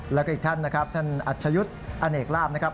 แล้วก็อีกท่านนะครับท่านอัชยุทธ์อเนกลาบนะครับ